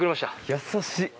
優しい。